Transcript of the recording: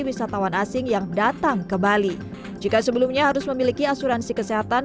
wisatawan asing yang datang ke bali jika sebelumnya harus memiliki asuransi kesehatan